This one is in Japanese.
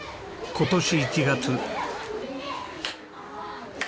今年１月。